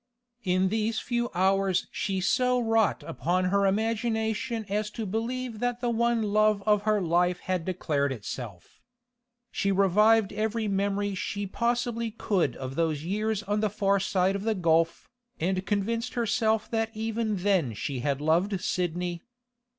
In these few hours she so wrought upon her imagination as to believe that the one love of her life had declared itself. She revived every memory she possibly could of those years on the far side of the gulf, and convinced herself that even then she had loved Sidney.